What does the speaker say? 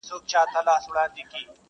ځيني يې درد بولي ډېر،